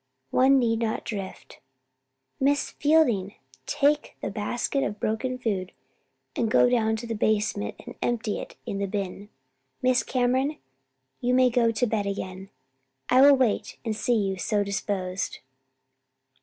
One need not drift. "Miss Fielding! take that basket of broken food and go down to the basement and empty it in the bin. Miss Cameron, you may go to bed again. I will wait and see you so disposed.